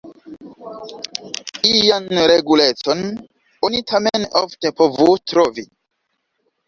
Ian regulecon oni tamen ofte povus trovi.